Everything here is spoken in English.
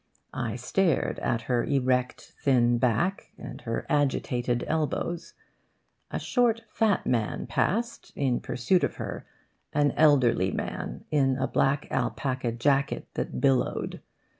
I stared at her erect thin back and her agitated elbows. A short fat man passed in pursuit of her an elderly man in a black alpaca jacket that billowed.